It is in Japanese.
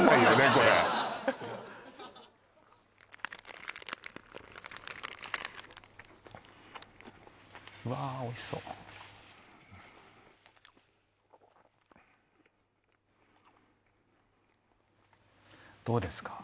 これうわおいしそうどうですか？